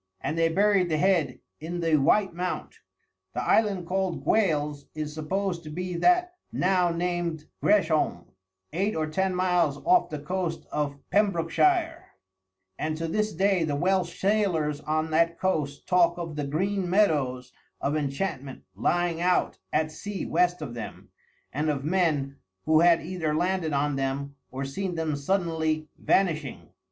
And they buried the head in the White Mount. The island called Gwales is supposed to be that now named Gresholm, eight or ten miles off the coast of Pembrokeshire; and to this day the Welsh sailors on that coast talk of the Green Meadows of Enchantment lying out at sea west of them, and of men who had either landed on them or seen them suddenly vanishing.